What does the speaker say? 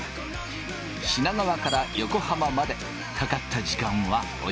品川から横浜までかかった時間はあ